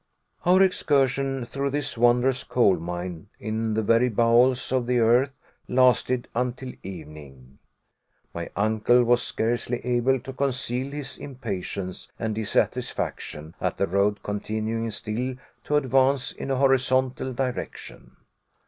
Our excursion through this wondrous coal mine in the very bowels of the earth lasted until evening. My uncle was scarcely able to conceal his impatience and dissatisfaction at the road continuing still to advance in a horizontal direction.